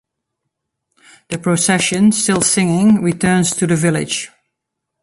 The procession, still singing, returns to the village.